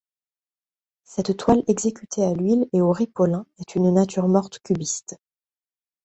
Cette toile exécutée à l'huile et au Ripolin est une nature morte cubiste.